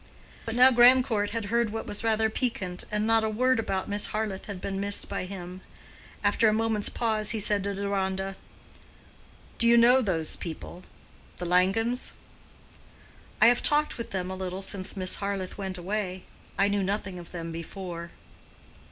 But now Grandcourt had heard what was rather piquant, and not a word about Miss Harleth had been missed by him. After a moment's pause he said to Deronda, "Do you know those people—the Langens?" "I have talked with them a little since Miss Harleth went away. I knew nothing of them before."